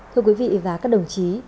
thưa quý vị và các đồng chí